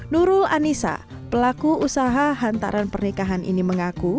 nurul anissa pelaku usaha hantaran pernikahan ini mengaku